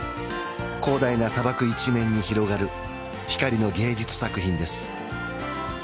広大な砂漠一面に広がる光の芸術作品です